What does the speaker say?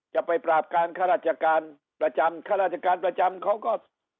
จะไปปราบการข้าราชการประจำข้าราชการประจำเขาก็